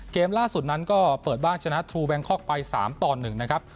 เกมล่าสุดนั้นก็เปิดบ้านชนะทูแบงคอกไป๓ต่อ๑นะครับ